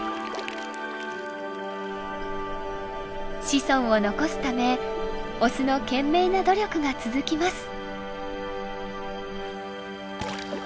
子孫を残すためオスの懸命な努力が続きます。